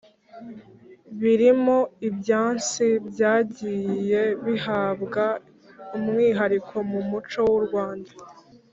birimo ibyansi byagiye bihabwa umwihariko mu muco w’u Rwanda.